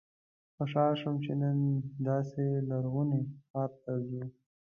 خوشاله شوم چې نن داسې لرغوني ښار ته ځو.